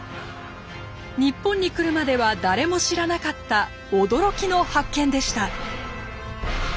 日本に来るまでは誰も知らなかった驚きの発見でした。